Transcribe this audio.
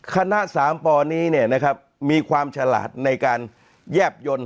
คณะ๓ปนี้มีความฉลาดในการแยบยนต์